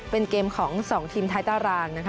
เป็นเกมของ๒ทีมไทยตาราง